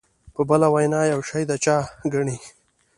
په بله وینا یو شی د چا ګڼي.